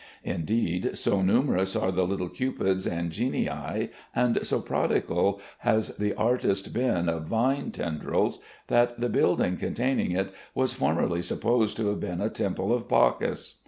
Indeed, so numerous are the little cupids and genii, and so prodigal has the artist been of vine tendrils, that the building containing it was formerly supposed to have been a temple of Bacchus.